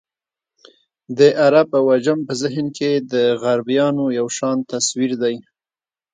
د عرب او عجم په ذهن کې د غربیانو یو شان تصویر دی.